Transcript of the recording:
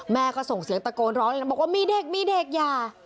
แม่ก็ส่งเสียงตะโกนร้องเลยนะบอกว่ามีเด็กมีเด็กอย่า